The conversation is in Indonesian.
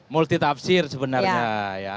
multitafsir sebenarnya ya